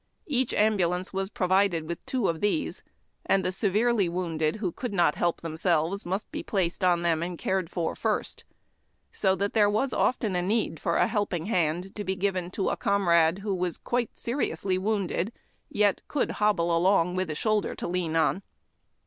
Each ambulance was provided with two of these, and the severely wounded who could not help themselves must be placed on them and cared for first, so that there was often need for a helping hand to be given a comrade who was quite seriously wounded, yet could hobble along with a shoulder to lean on.